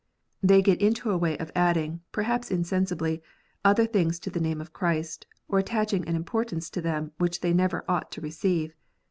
They get into a way of adding, perhaps insensibly, other things to the name of Christ, or attaching an importance to them which they never ought to receive.